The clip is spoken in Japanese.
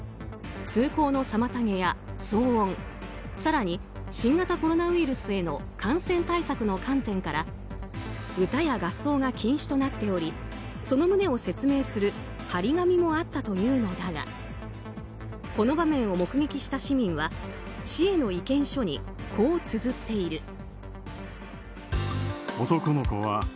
通行の妨げや騒音更に新型コロナウイルスへの感染対策の観点から歌や合奏が禁止となっておりその旨を説明する貼り紙もあったというのだがこの場面を目撃した市民は市への意見書にこうつづっている。